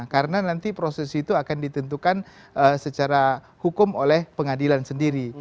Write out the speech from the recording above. karena nanti proses itu akan ditentukan secara hukum oleh pengadilan sendiri